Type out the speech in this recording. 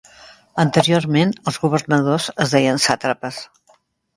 Anteriorment els governadors es deien sàtrapes.